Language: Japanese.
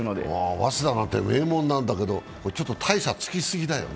早稲田なんて名門なんだけど大差がつきすぎだよね。